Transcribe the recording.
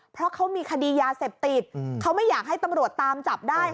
เพราะเขามีคดียาเสพติดเขาไม่อยากให้ตำรวจตามจับได้